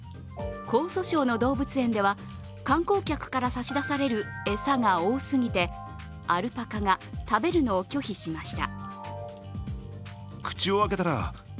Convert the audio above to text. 江蘇省の動物園では観光客から差し出される餌が多過ぎてアルパカが食べるのを拒否しました。